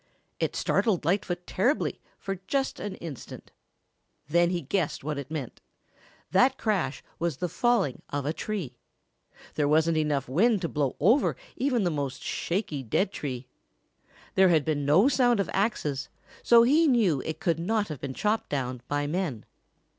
It startled Lightfoot terribly for just an instant. Then he guessed what it meant. That crash was the falling of a tree. There wasn't enough wind to blow over even the most shaky dead tree. There had been no sound of axes, so he knew it could not have been chopped down by men.